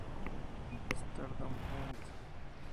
Stardom Ent.